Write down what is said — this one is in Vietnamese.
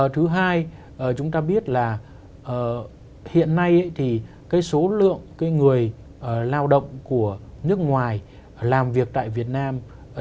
thứ hai chúng ta biết là hiện nay thì số lượng người lao động của nước ngoài làm việc tại việt nam